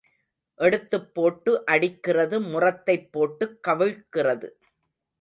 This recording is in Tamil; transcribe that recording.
எடுத்துப் போட்டு அடிக்கிறது முறத்தைப் போட்டுக் கவிழ்க்கிறது.